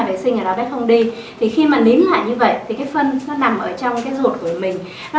vệ sinh ở đó bé không đi thì khi mà nín lại như vậy thì cái phân nó nằm ở trong cái ruột của mình nó